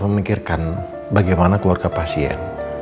memikirkan bagaimana keluarga pasien